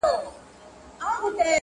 لپاره پر داسې لاره روام کړو